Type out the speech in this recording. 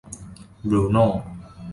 บรูโน่